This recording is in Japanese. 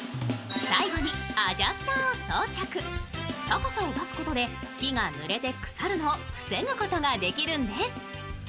高さを出すことで気がぬれて腐ることを防ぐことができるんです。